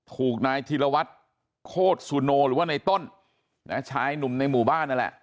ถูกนายธิรวัตรโคตรสุโนหรือว่าในต้นนะชายหนุ่มในหมู่บ้านนั่นแหละ